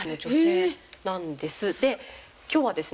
で今日はですね